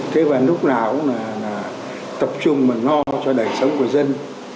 thế và lúc nào cũng là tập trung và no cho đời sống của dân